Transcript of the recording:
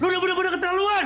lu udah udah keterlaluan